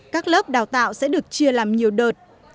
các lớp đào tạo sẽ được chia làm nhiều đợt